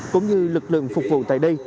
cũng như lực lượng phục vụ tại đây